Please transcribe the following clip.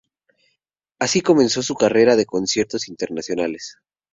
Así comenzó su carrera de conciertos internacionales.